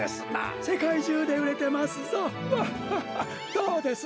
どうです？